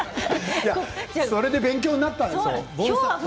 それで勉強になったんだよ。